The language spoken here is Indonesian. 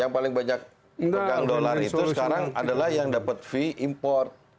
yang paling banyak pegang dolar itu sekarang adalah yang dapat fee import